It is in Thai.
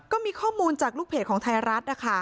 ก็มีข้อมูลจากลูกเพจของไทยรัฐนะคะ